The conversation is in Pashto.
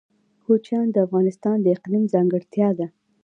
کوچیان د افغانستان د اقلیم ځانګړتیا ده.